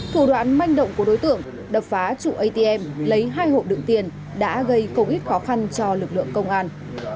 thủ đoạn manh động của đối tượng đập phá chủ atm lấy hai hộ đựng tiền đã gây cầu ích khó khăn cho lực lượng công an